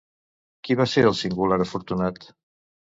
Qui va ser el singular afortunat?